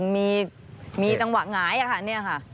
มีจังหวะหงายค่ะเนี่ยค่ะ